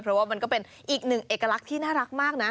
เพราะว่ามันก็เป็นอีกหนึ่งเอกลักษณ์ที่น่ารักมากนะ